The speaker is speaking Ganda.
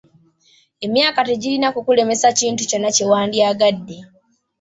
Emyaka tegirina kukulemesa kintu kyonna kye wandyagadde.